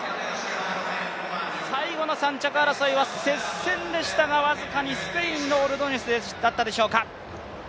最後の３着争いは接戦でしたが、僅かにスペインのオルドニェスだったでしょうか。